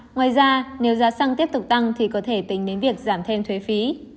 ngoài ra nếu giá xăng tiếp tục tăng thì có thể tính đến việc giảm thêm thuế phí